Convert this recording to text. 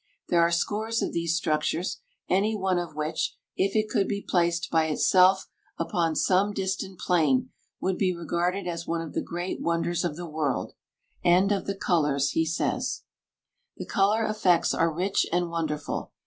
There are scores of these structures, any one of which, if it could be placed by itself upon some distant plain, would be regarded as one of the great wonders of the world," and of the colors he says: "The color effects are rich and wonderful.